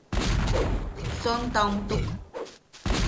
Sontaomtuk.